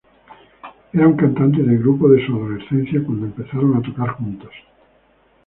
Él era un cantante del grupo de su adolescencia, cuando empezaron a tocar juntos.